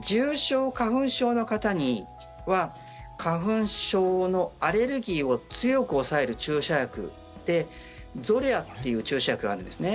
重症花粉症の方には花粉症のアレルギーを強く抑える注射薬でゾレアという注射薬があるんですね。